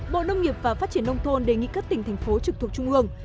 bộ nông nghiệp và phát triển nông thôn đề nghị các tỉnh thành phố trực thuộc trung ương